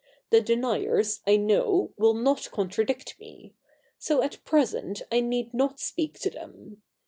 The deniers, I know, will not contradict me ; so at present I need not speak to them.